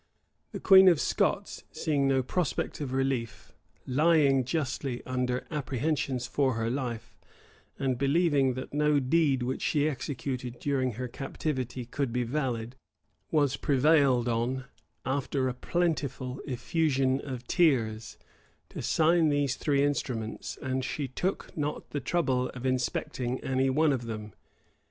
The queen of Scots, seeing no prospect of relief, lying justly under apprehensions for her life, and believing that no deed which she executed during her captivity could be valid, was prevailed on, after a plentiful effusion of tears, to sign these three instruments; and she took not the trouble of inspecting any one of them.